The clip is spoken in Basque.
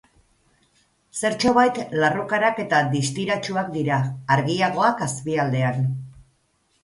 Zertxobait larrukarak eta distiratsuak dira, argiagoak azpialdean.